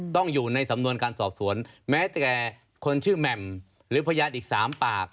ต้องอยู่ในสำนวนการสอบสวนแม้แต่คนชื่อแหม่มหรือพยานอีก๓ปาก